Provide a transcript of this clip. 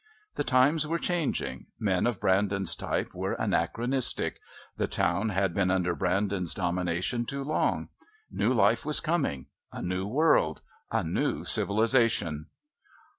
The times were changing. Men of Brandon's type were anachronistic; the town had been under Brandon's domination too long. New life was coming a new world a new civilisation.